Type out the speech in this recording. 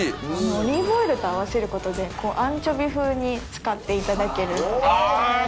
オリーブオイルと合わせることでアンチョビ風に使っていただける。